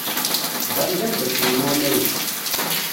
Dan d ameddakel-inu amaynu.